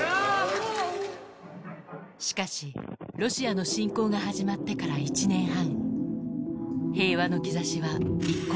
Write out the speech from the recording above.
しかし、ロシアの侵攻が始まってから１年半。